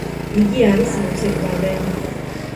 იგი არის მოცეკვავე.